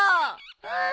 うん。